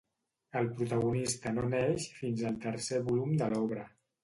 El protagonista no neix fins al tercer volum de l'obra.